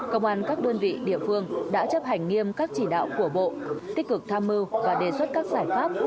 công an các đơn vị địa phương đã chấp hành nghiêm các chỉ đạo của bộ tích cực tham mưu và đề xuất các giải pháp